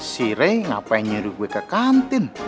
si rey ngapain nyuruh gue ke kantin